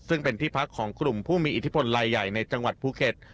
ซึ่งเป็นที่พักของกลุ่มผู้มีอิทธิพลลายใหญ่ในจังหวัดภูเก็ต